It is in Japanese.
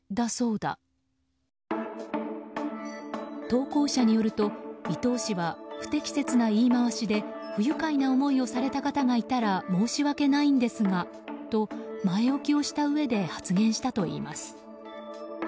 投稿者によると伊東氏は不適切な言い回しで不愉快な思いをされた方がいたら申し訳ないんですがと前置きをしたうえで発言したといいます。